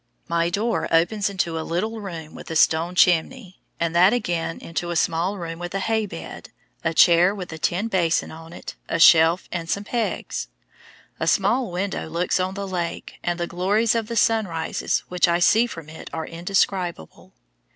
My door opens into a little room with a stone chimney, and that again into a small room with a hay bed, a chair with a tin basin on it, a shelf and some pegs. A small window looks on the lake, and the glories of the sunrises which I see from it are indescribable.